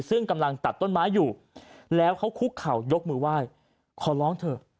ซึ่งกำลังตัดต้นไม้อยู่แล้วเขาคุกเข่ายกมือไหว้ขอร้องเถอะ